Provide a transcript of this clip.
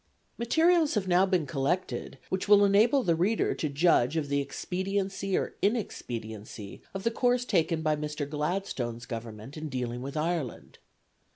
Materials have now been collected which will enable the reader to judge of the expediency or inexpediency of the course taken by Mr. Gladstone's Government in dealing with Ireland.